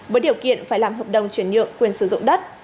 với điều kiện phải làm hợp đồng chuyển nhượng quyền sử dụng đất